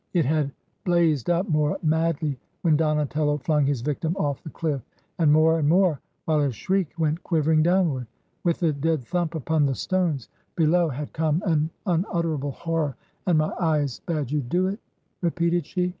... It had blazed up more madly when Donatello flung his victim off the cUff, and more and more while his shriek went quiver ing downward. With the dead thump upon the stones below had come an unutterable horror. 'And my eyes bade you do it?' repeated she.